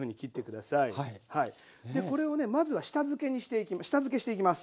でこれをねまずは下漬けしていきます。